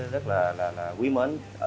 rất là quý mến